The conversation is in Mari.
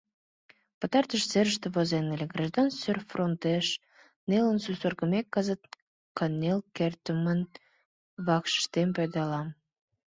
Пытартыш серышыште возен ыле: «Граждан сӧй фронтеш нелын сусыргымек, кызыт кынел кертдымын вакшышыштем пӧрдалам.